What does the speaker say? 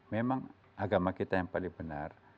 memang agama kita yang paling benar